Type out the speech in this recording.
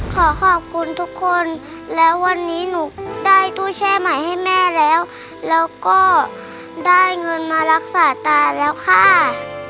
ขอขอบคุณทุกคนแล้ววันนี้หนูได้ตู้แช่ใหม่ให้แม่แล้วแล้วก็ได้เงินมารักษาตาแล้วค่ะ